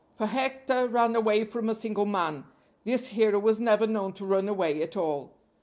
For Hector ran away from a single man; this hero was never known to run away at all.